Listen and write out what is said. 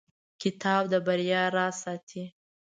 کتاب د بریا راز ساتي.